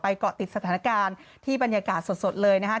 เกาะติดสถานการณ์ที่บรรยากาศสดเลยนะครับ